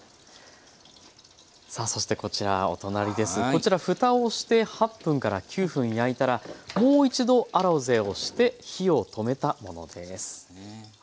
こちらふたをして８分から９分焼いたらもう一度アロゼをして火を止めたものです。